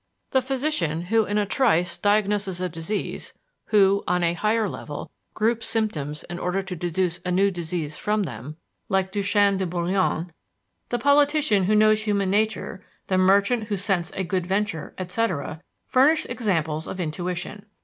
The physician who in a trice diagnoses a disease, who, on a higher level, groups symptoms in order to deduce a new disease from them, like Duchenne de Boulogne; the politician who knows human nature, the merchant who scents a good venture, etc., furnish examples of intuition.